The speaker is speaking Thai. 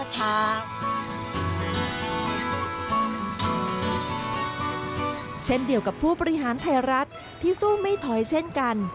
เช่นเดียวกับผู้บริหารไทยรัฐที่สู้ไม่ถอยเช่นกัน